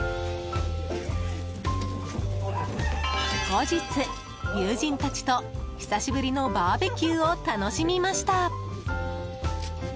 後日、友人たちと久しぶりのバーベキューを楽しみました。